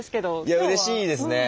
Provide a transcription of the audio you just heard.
いやうれしいですね。